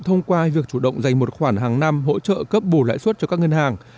thông qua việc chủ động dành một khoản hàng năm hỗ trợ cấp bù lãi suất cho các ngân hàng